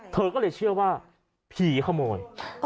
เธอก็เลยเชื่อว่าผีขโมย